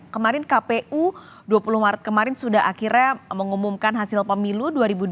kemarin kpu dua puluh maret kemarin sudah akhirnya mengumumkan hasil pemilu dua ribu dua puluh